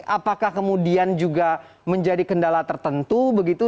apakah kemudian juga menjadi kendala tertentu begitu